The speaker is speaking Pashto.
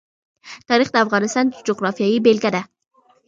تاریخ د افغانستان د جغرافیې بېلګه ده.